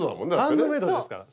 ハンドメイドですから。